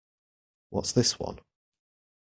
What's this one?